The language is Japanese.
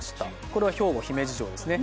これは兵庫・姫路城ですね。